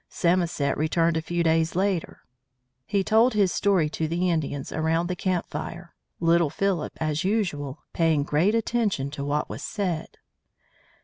Samoset returned a few days later. He told his story to the Indians around the camp fire, little Philip, as usual, paying great attention to what was said.